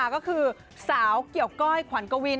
ก็คือสาวเกี่ยวก้อยขวัญกวิน